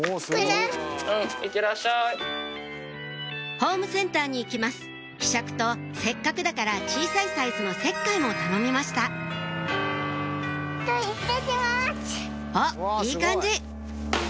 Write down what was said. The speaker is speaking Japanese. ホームセンターに行きますひしゃくとせっかくだから小さいサイズの石灰も頼みましたおっいい感じ